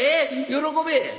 喜べ」。